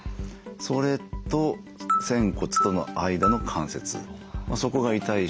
それと仙骨との間の関節そこが痛い人もいます。